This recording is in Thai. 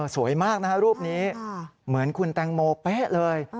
สวยมากนะฮะรูปนี้เหมือนคุณแตงโมเป๊ะเลย